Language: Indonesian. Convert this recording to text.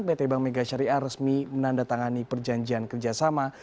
pt bank megasyariah resmi menandatangani perjanjian kerjasama